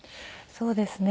そうですか。